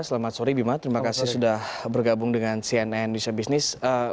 selamat sore bima terima kasih sudah bergabung dengan cnn indonesia business